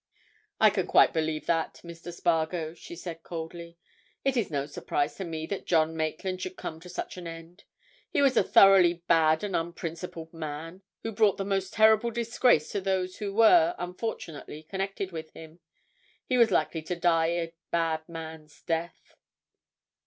"I can quite believe that, Mr. Spargo," she said coldly. "It is no surprise to me that John Maitland should come to such an end. He was a thoroughly bad and unprincipled man, who brought the most terrible disgrace on those who were, unfortunately, connected with him. He was likely to die a bad man's death."